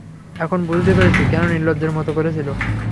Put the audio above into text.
এখন বুঝতে পেরেছি, কেন নির্লজ্জের মতো করছিল।